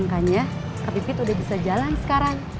makanya kak pipit udah bisa jalan sekarang